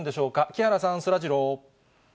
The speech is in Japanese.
木原さん、そらジロー。